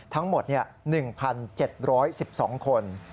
ทั้งหมด๑๗๑๒คน